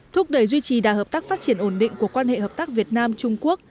thúc đẩy duy trì đà hợp tác phát triển ổn định của quan hệ hợp tác việt nam trung quốc